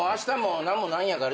何もないんやから。